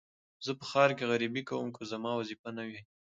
زه په ښار کې غريبي کوم که زما وظيفه نه وى.